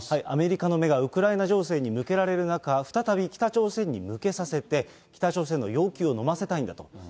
アメリカの目がウクライナ情勢に向けられる中、再び北朝鮮に向けさせて、北朝鮮の要求をのませたいんだと。